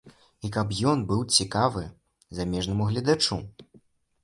І каб ён быў цікавы замежнаму гледачу.